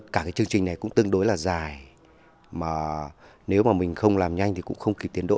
cả cái chương trình này cũng tương đối là dài mà nếu mà mình không làm nhanh thì cũng không kịp tiến độ